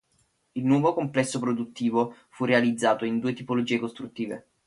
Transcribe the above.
Il nuovo complesso produttivo fu realizzato in due tipologie costruttive.